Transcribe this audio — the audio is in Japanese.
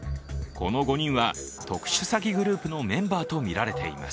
この５人は、特殊詐欺グループのメンバーとみられています。